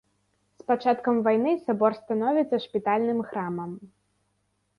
З пачаткам вайны сабор становіцца шпітальным храмам.